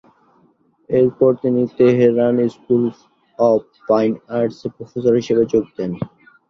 এরপর তিনি Tehran school of fine আর্টসে প্রফেসর হিসেবে যোগ দেন।